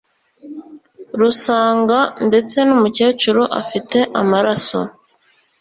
rusanga ndetse n'umukecuru afite amaraso.